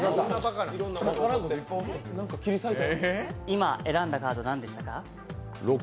今、選んだカード何でしたか？